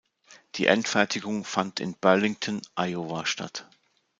Die Endfertigung fand in Burlington, Iowa, statt.